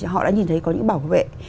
họ đã nhìn thấy có những bảo vệ